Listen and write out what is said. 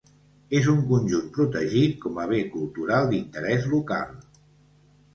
És un conjunt protegit com a Bé Cultural d'Interès Local.